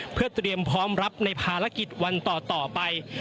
เพื่อเตรียมพร้อมรับในภารกิจวันต่อไป